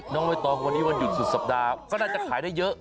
ไม่ต้องวันนี้วันหยุดสุดสัปดาห์ก็น่าจะขายได้เยอะ